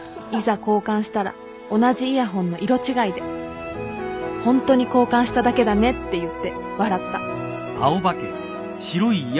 交換したら同じイヤホンの色違いでホントに交換しただけだねって言って笑った